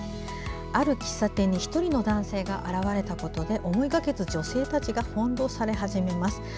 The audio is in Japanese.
ある喫茶店に１人の男性が現れたことで思いがけず女性たちが翻弄され始めます。